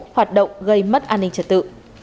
hoạt động gây mất an ninh trật tự